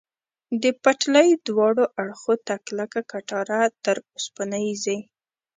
د پټلۍ دواړو اړخو ته کلکه کټاره، تر اوسپنیزې.